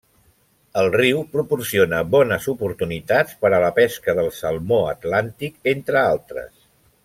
El riu proporciona bones oportunitats per a la pesca del salmó atlàntic, entre altres.